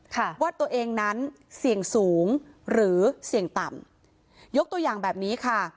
ค่ะว่าตัวเองนั้นเสี่ยงสูงหรือเสี่ยงต่ำยกตัวอย่างแบบนี้ค่ะ